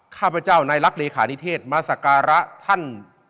ข้าพเจ้าในรักเลขานิเทศมาสการะท่าน